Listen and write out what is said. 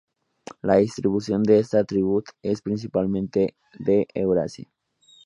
La distribución de esta subtribu es principalmente de Eurasia.